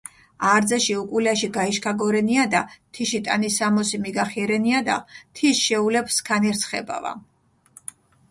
არძაში უკულაში გაიშქაგორენიადა, თიში ტანისამოსი მიგახირენიადა, თის შეულებჷ სქანი რსხებავა.